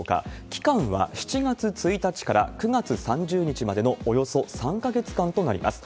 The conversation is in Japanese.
期間は７月１日から９月３０日までのおよそ３か月間となります。